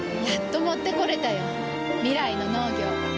やっと持ってこれたよ。未来の農業。